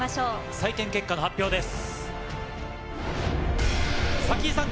採点結果の発表です。